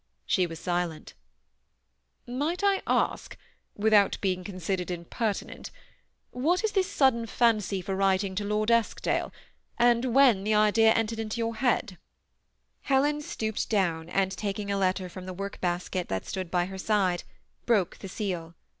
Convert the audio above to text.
She was silent " Might THE SEMI ATTACHED COUPLE. 77 I ask, without being considered impertinent, what is this sudden fancy for writing to Lord Eskdale, and when the idea entered your head ?" Helen stooped down, and taking a letter from the work basket that stood by her side, broke the seal.